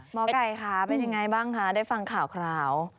หมอไก่ค่ะเป็นอย่างไรบ้างคะได้ฟังข่าวข่าว